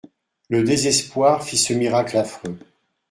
Le désespoir fit ce miracle affreux.